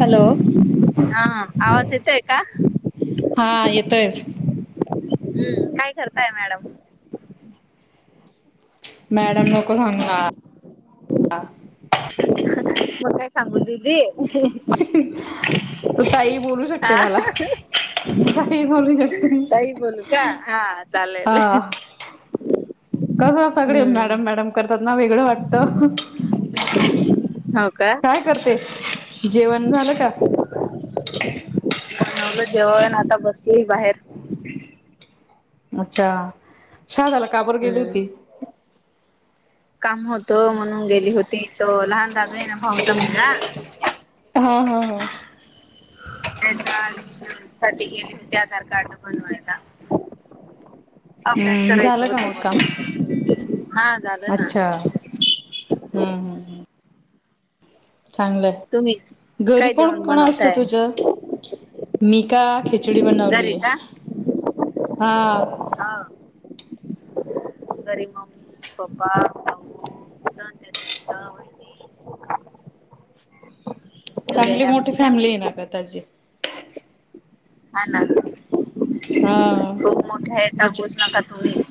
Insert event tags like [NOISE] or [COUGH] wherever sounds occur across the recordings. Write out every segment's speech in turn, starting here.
Hello हा आवाज येतय का? हा येतोय. हम्म काय करताय मॅडम. मॅडम नको सांगा. मग काय सांगून दिली. त ताई बोलू. शकते हा. मला ताई बोलू शकते ताई बोलू का हा चालेल. हा कसं सगडे हम्म मॅडम मॅडम, करतात ना वेगळं वाटतं. होव का. काय करते जेवण झालं का. बनवलं जेवण, आता बसली बाहेर. अच्छा शादाला का बर गेली हम्म होती. काम होत म्हणून गेली होती, तो लहान दादू आहे ना भाऊचा मुलगा. हां हां हां त्याचा शाळे साठी गेले, होते आधार कार्ड बनवायला. अपडेट हम्म करायचं, झालं का होतं मग काम म्हणून हा. झालं ना अच्छा हं हं हं. तुम्ही चांगलंय घरी काय कोण जेवण कोण असत बनवताय तुझ्या. मी का खिचडी घरी बनवलीय का हा. हा घरी मम्मी पप्पा भाऊ. तुझं न त्याच पुढ होईल बी. चांगली आहे मोठी आमची फॅमिली आहे ना ग त्याची. हा ना हा खूप मोठे आहे, मजा सांगूच नका तुम्ही.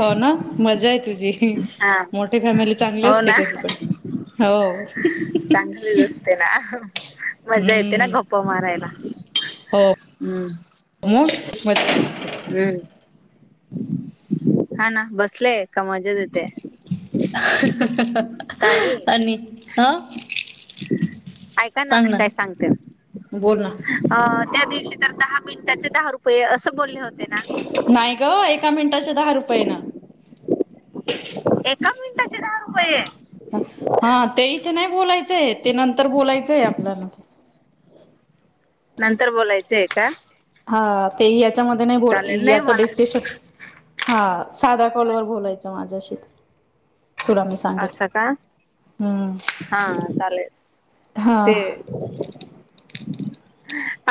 हो ना मजा आहे तुझी. हा मोठे फॅमिली चांगली हो असते ना कधी पण हो. चांगली व असते ना. मजा येते ना हम्म गप मारायला हम्. हो म म. हम्म हा ना बसलेय, का मजा येते. ताई आणि हा ऐका ना मी काय सांगते. बोल ना अ त्या दिवशी तर दहा मिनिटाचे, दहा रुपये असं बोलले होते ना? नाही ग एका मिनिटाच्या, दहा रुपये ना. एका मिनिटाचे दहा रुपये. हा ते ते नाही बोलायचंय ते नंतर, बोलायचंय आपल्याला. नंतर बोलायचं आहे का? हा ते याच्यामध्ये नाही बोल चालेल नाही याच मला डिस्कशन. हा साध्या कॉलवर बोलायचं, माझ्याशी तुला मी सांग. सांगेल असं का हम् हा चालेल हा. ते [INAUDIBLE]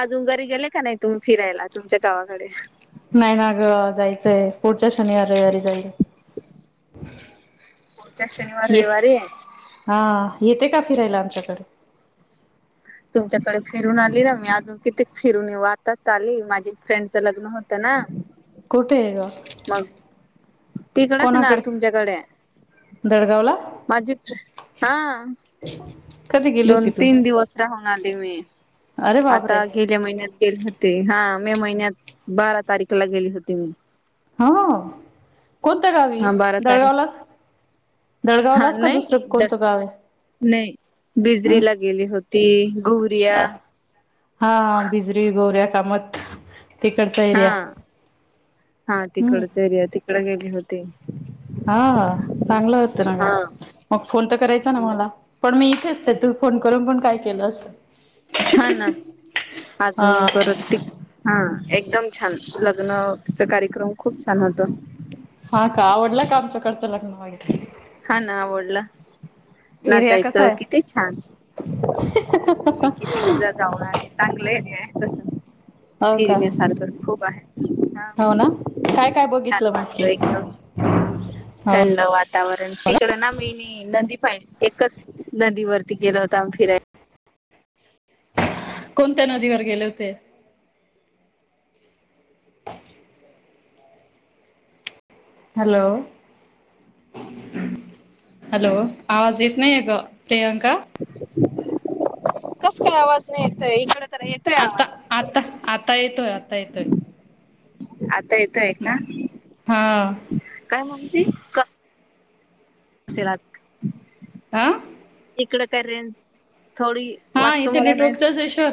अजून घरी गेले का नाही तुम्ही, फिरायला तुमच्या गावाकडे. नाही ना ग जायचंय पुढच्या, शनिवार रविवारी जाईल. ह्या शनिवार ये रविवारी. हा येते का फिरायला आमच्याकडे. तुमच्याकडे फिरून आली ना मी अजून किती, फिरून ये वातात आली माझी फ्रेंडचं लग्न होतं ना. कोठे आहे ग. तिकडेच ना कोणाकडे तुमच्याकडे. दडगावला माझी हा कधी गेली दोन होती तू तीन दिवस राहून आली मी अरे बापरे आता गेल्या महिन्यात गेले होते हा मे महिन्यात बारा तारीखला गेली होती मी हो कोणत्या गावी हा बारा तारीख दळगावलाच हा दळगावलाच का नाही दुसरं कोणतं गाव नाही आहे बिजरीला गेली होती ती गुरिया अ हा बिजरी गोऱ्या कामत तिकडचा हा एरिया हा हम्म तिकडचरया तिकड गेली होती हा चांगलं होतं ना ग मग फोन तर करायचा ना मला पण मी इथेच ते तू फोन करून पण काय केलं असतं हा ना हा अजून परत हा एकदम छान लग्नचा कार्यक्रम खूप छान होत हा का आवडलं का आमच्याकडचं लग्न वगैरे हा ना आवडला एरिया कसा नाचायचं आहे किती छान मी कितीिकदा जाऊ आणि चांगलं एरिया आहे तस हो का फिरण्यासारख खूप आहे ह हो ना काय काय छान बघितलं मग वाटत एकदम हो थंड वातावरण तिकड ना मीनी नदी पा एकच नदीवररती गेला होता आ्ही फिरायला कोणत्या नदीवर गेले होते हॅलो हॅलो आवाज येत नाही आहे ग प्रियांका कस काय आवाज नाही येतय इकड तर येतोय आता आवाज आता आता येतोय आता येतोय आता येत आहे का हा काय म्हणती कस [INAUDIBLE] आा इकडं करे थोडी हा वाटतो इथे मला रेंज नेटवर्कचाच आहेशर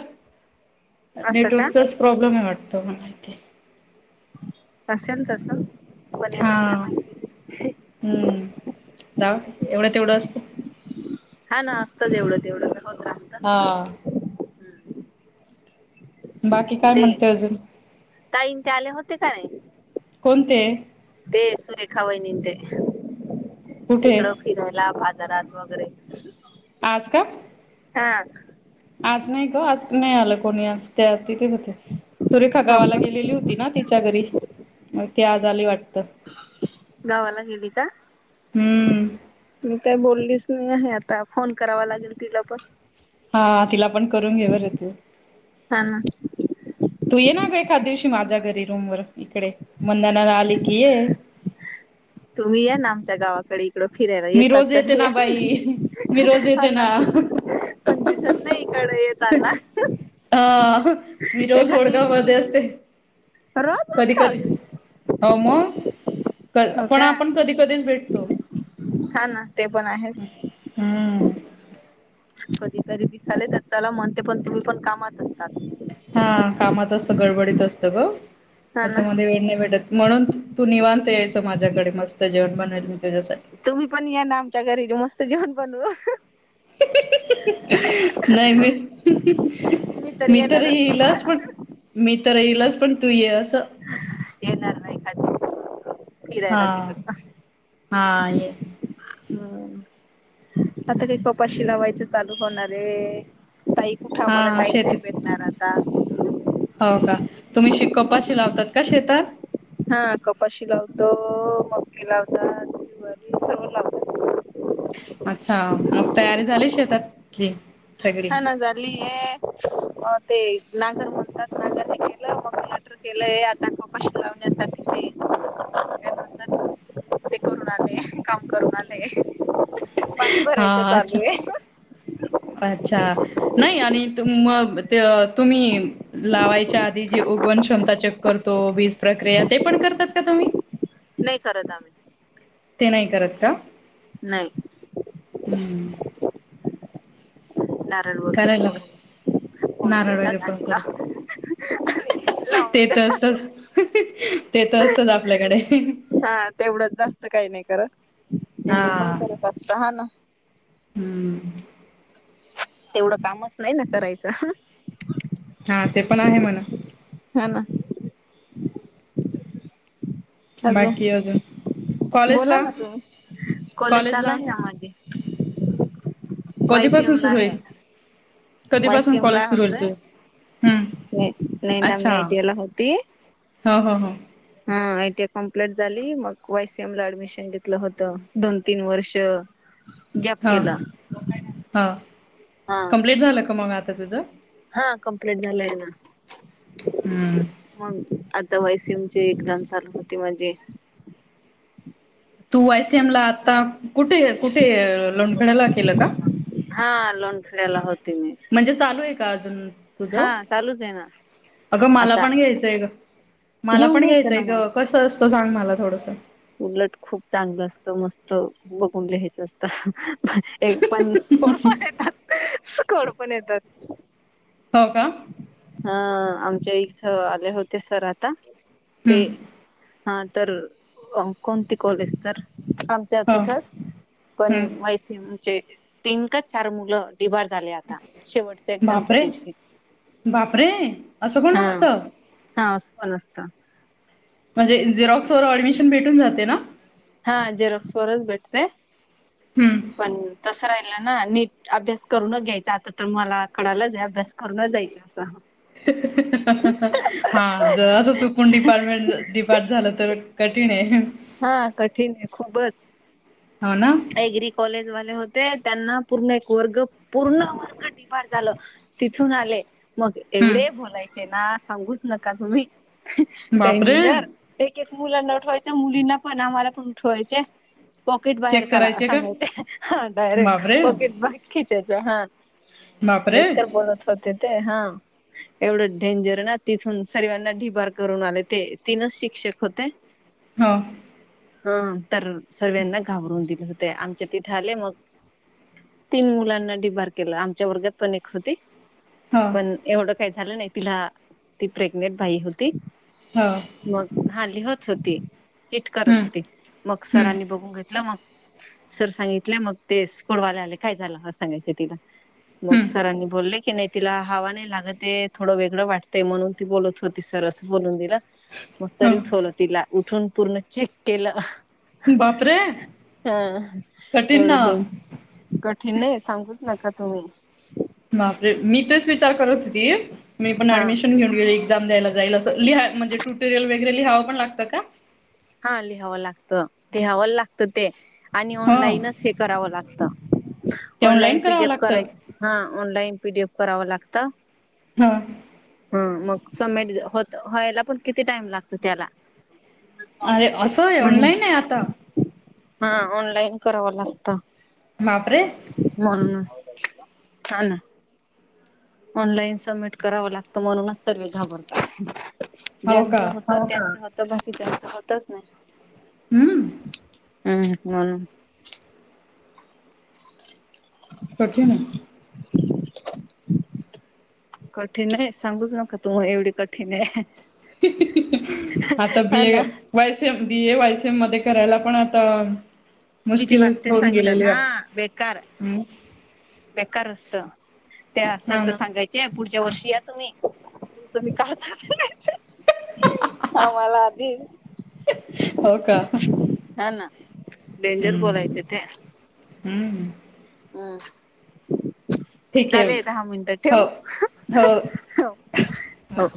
असं का नेटवर्कचाच प्रॉब्लेम आहे वाटतो मला इथे असेल तर सल हा हम्म जा हम्म एवढं तेवढं असत हा ना असतं तेवढं तेवढं होत रात हां बाकी काय ते म्हणते अजून ताईन ते आले होते का नाही कोणते ते सुरेखा वहिनी ते कुठे तिकडं लाभ आजार अथ वगैरे आज का हा आज नाही ग आज नाही आलं कोणी आज त्या तिथेच होते सुरेखा हो गावाला का गेलेली होती हो ना तिच्या घरी मग ती आज आली वाटते गावाला गेली का हम्म मी काही बोललीच नाही आहे आता फोन करावा लागेल तिला पण हा तिला पण करून घेऊते हा ना तू ये ना ग एखाद दिवशी माझ्या घरी रूम वर इकडे मंदना रली की तुम्ही या ना आमच्या गावाकडे एड फिराला मी येतात रोज येते तर ना बाई मी रोज अ येते ना. पण दिसत नाही इकड येतातना हा विरोजोड का मध्ये दिस असते रोज कधी कधी असतात हो मग हो पण का आपण कधी कधीच भेटतो हा ना ते पण आहेच हम् कधीतरी दिसाले तर चला म्हणते पण तुम्ही पण कामात असतात हा कामाच असत गडबडीत असतं ग हा ना त्याच्यामध्ये वेळ नाही भेटत म्हणून तू निवांत यायच माझ्याकडे मस्त जेवण बनल मी तुझ्यासाठी तुम्ही पण या ना आमच्या घरीच मस्त जेवण बनू नाही मी मी तर येईलाच पण मी तर येईलाच पण तू ये असं येणार नाही खाद वतू हा हा ये हम् आता काही कपाशी लावायच चालू होणार आहे तई कुठे आम्हाला हा टाईम नाही शेतीत भेटणार आता हो का तुम्ही शिकपाशी लावतात का शेतात हा कपाशी लावतो मक्की लावतात जुवारी सर् लावतो अच्छा मग तयारी झाली शेतातची हा ना झाली हे ते नांगर म्हणतात नांगर हे केलं मग केलंय आता कपाशी लावण्यासाठी ते काय म्हणतात ते करून आले काम करून आले पाणी हा भरायच चालू अच्छा आहे अच्छा नाही आणि तु ते तुम्ही लावायच्या आधी जे उगवण क्षमता चेक करतो वीज प्रक्रिया ते पण करतात का तुम्ही नाही करत आम्ही ते नाही करत का नाही हम् नारळ वगैरे करायलाग फोडून फोडून नारळ वगैरे देतात फण आणि करू लाव ते लावून तर देतात असत ते तर असतच आपल्याकडे हा तेवढंच जास्त काही नाही करत हा. एवढं पण करत असत हा ना हम्म तेवढं कामच नाही ना करायचं हा ते पण आहे म्हणा हा ना अजून बोला कॉलेजला ना तुम्ही कॉलेज चाला कॉलेजला आहे ना माझे कधीपासून पैसेिमला सुरू आहे होईल? कधीपासून पैसेिमला कॉलेज सुरू होईल होतय तुझं? हम्म. नाही ना मी आयटी आय ला होती हा हा ह हा आयटी ए कमप्लीट झाली मग वायसीएम ला ऍडमिशन घेतलं होत दोन तीन वर्ष गॅप हा केला हा हा कमप्लीट झालं का मग आता तुझं हा कम्प्लीट झालंय ना हम्म. मग आता वायसीमची एकजम चालू होती माणझी तू वायसीएम ला आता कुठे कुठे लोणखड्याला केलं का हा लोणखडे्याला होती मी म्हणजे चालू आहे का अजून तुझ हा चालूच आहे ना अगं मला आता पण घ्यायचंय ग मला घेऊन पण घ्यायचं घ्यायचंय ना मग. ग कसं असतो सांग मला थोडसं उलट, खूप चांगलं असतं... मस्त बघून लिहायचं असतं एक पण... [UNINTELLIGIBLE] स्कॉड पण येतात हो का? हा... आमच्या इथं आले होते सर आता, ते हम्म. हा तर... कोणती कॉलेज तर आमच्या हो तिथंच... पण हम्म वाय सी एमचे, तीन का चार मुलं [UNINTELLIGIBLE] झाले आता, शेवटच्या एक्झामच्या बापरे! दिवशी बापरे... असं पण हा असतं? हा... असं पण असतं. म्हणजे... झेरॉक्स वर ऑडमिशन भेटून जाते ना? हा... झेरॉक्स वरच भेटते. हम्म पण तसं राहिलं ना... नीट अभ्यास करूनच घ्यायचा... आता तर मला कडालंच ए... अभ्यास करूनच जायचं असा... हं हं.. हं.. हं हं हंहं.. हा... जर असं चुकून डिपार्टमेंट डिपार्ट झालं तर कठीण ए हा... कठीण ए खूबच हो ना? एग्री कॉलेजवाले होते, त्यांना पूर्ण एक वर्ग, पूर्ण वर्ग [UNINTELLIGIBLE] झालं. तिथून आले मग एवढे हम्म बोलायचे ना... सांगूच नका तुम्ही.... बापरे! डेंजर एक एक मुलांना उठवायचं... मुलींना पण, आम्हाला पण उठवायचे... पॉकेट बाहेर चेक काडा करायचे का सांगायचे... हा डायरेक्ट बापरे पॉकेट बाहेर खिचायचं हा बापरे बेकार बोलत होते ते हा एवढं डेंजर ना... तिथून सर्वांना ढिबार करून आले ते, तीनच शिक्षक होते हा. हं... तर... सर्व्यांना घाबरून दिले होते, आमच्या तिथे आले मग तीन मुलांना डिबार केलं, आमच्या वर्गात पण एक होती हा पण एवढं काही झालं नाही तिला, ती प्रेग्नेंट भाई होती हा मग... हा, लिहत होती, चिट करत हम्म होती मग सरांनी हम्म बघून घेतलं मग सर सांगितले, मग ते स्कॉडवाले आले, काय झालं असं सांगायच तिला मग हम्म सरांनी बोलले की नई तिला हवा नाही लागत ए... थोडं वेगळं वाटतंय म्हणून ती बोलत होती, सर असं बोलून दिलं... मग तरी हो उठवलं तिला... उठून पूर्ण चेक केलं बाप रे हा एवढं डें... कठीण ए... सांगूच नका तुम्ही बापरे, मी तेच विचार करत होती. मी पण हा. ऍडमिशन घेऊन गेले एक्झाम द्यायला जाईल असं. लिहा... म्हणजे ट्यूटेरियल वैगरे लिहावं पण लागत का? हा... लिहावं लागत, लिहावं लागत ते आणि हा ऑनलाईनच हे करावं लागत. ते ऑनलाईन करावं पीडीएफ लागतं करायचं हा... ऑनलाईन पीडीएफ करावं लागतं हा हं... मग समिट होत... व्हायला पण किती टाइम लागतो त्याला अरे असं ऑनलाईन आहे आता [UNINTELLIGIBLE] हा... ऑनलाईन करावं लागतं बाप रे [UNINTELLIGIBLE] हा ना ऑनलाईन सबमिट करावं लागतं म्हणूनच सर्वे घाबरतात. हो का ज्याचं होतं त्यांच होतं, बाकीच्याचं होतच नाई हम्म हम् हो ह कठीन ये कठीण आहे सांगूच नका तु एवढ कठीण आहे आता हा बीए ना वायसएम बीए वायसीएम मध्ये करायला पण आता भीती वाटते सांगताना बेकार हम बेकार असत त्या असतात हा तर ना सांगायच या पुढच्या वर्षी या तुम्ही [INAUDIBLE] सांगायचं आ मला आधी हो का हा ना डेंजर हम्म बोलायचे ते हम्म हम्म ठीक आहे झाले दहा मिनिटं हो ठेवू हो हो